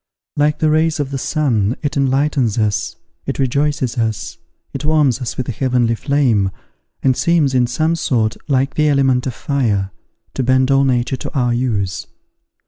Like the rays of the sun, it enlightens us, it rejoices us, it warms us with a heavenly flame, and seems, in some sort, like the element of fire, to bend all nature to our use.